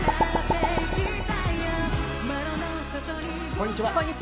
こんにちは。